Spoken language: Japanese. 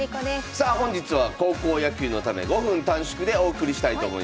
さあ本日は高校野球のため５分短縮でお送りしたいと思います。